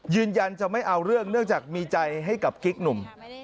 ยืนยันจะไม่เอาเรื่องเนื่องจากมีใจให้กับกิ๊กหนุ่ม